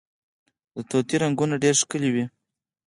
د طوطي رنګونه ډیر ښکلي وي